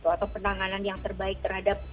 atau penanganan yang terbaik terhadap